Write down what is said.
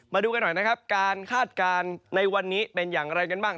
มาดูกันหน่อยนะครับการคาดการณ์ในวันนี้เป็นอย่างไรกันบ้าง